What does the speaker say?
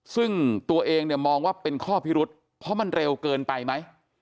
ซึ่งตัวเองเนี่ยมองว่าเป็นข้อพิรุษเพราะมันเร็วเกินไปไหม